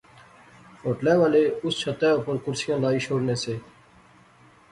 ہوٹلے والے اس چھتے اوپر کرسیاں لائی شوڑنے سے